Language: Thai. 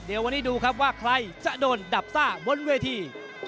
เดี๋ยววันนี้ดูครับว่าใครจะโดนดับซ่าบนเวที